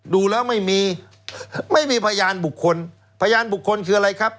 ดูแล้วไม่มีไม่มีพยานบุคคลพยานบุคคลคืออะไรครับ